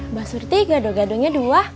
mbak surti gado gadonya dua